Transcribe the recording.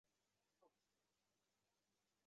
角蒿是紫葳科角蒿属的植物。